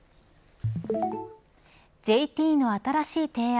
ＪＴの新しい提案。